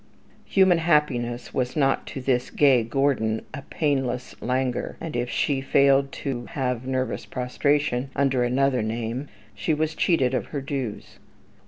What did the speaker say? Human happiness was not to this gay Gordon a "painless languor"; and if she failed to have nervous prostration under another name she was cheated of her dues.